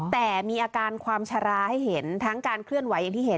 แต่มีอาการความชะลาให้เห็นทั้งการเคลื่อนไหวอย่างที่เห็น